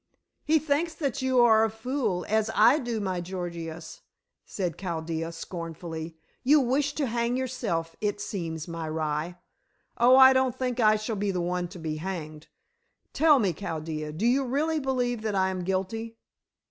"He thinks that you are a fool, as I do, my Gorgious," said Chaldea scornfully. "You wish to hang yourself it seems, my rye." "Oh, I don't think that I shall be the one to be hanged. Tell me, Chaldea, do you really believe that I am guilty?"